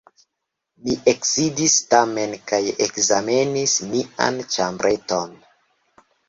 Mi eksidis tamen kaj ekzamenis mian ĉambreton.